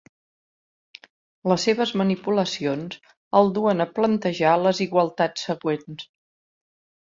Les seves manipulacions el duen a plantejar les igualtats següents.